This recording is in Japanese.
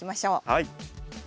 はい。